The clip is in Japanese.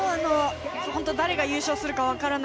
誰が優勝するかわからない。